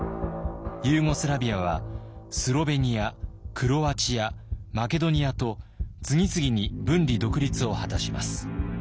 ユーゴスラビアはスロベニアクロアチアマケドニアと次々に分離独立を果たします。